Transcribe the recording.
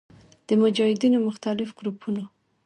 د مجاهدینو مختلف ګروپونو